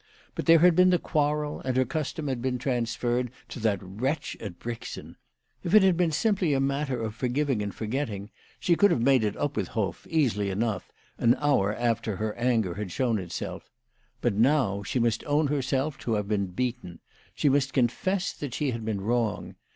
But there had been the quarrel, and her custom had been transferred to that wretch at Brixen. If it had been simply a matter of forgiving and forgetting she could have made it up with Hoff, easily enough, an hour after her anger had shown itself. But now she must own herself to have been beaten. She must confess that she had been wrong.